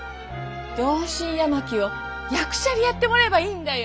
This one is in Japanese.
同心・八巻を役者にやってもらえばいいんだよ。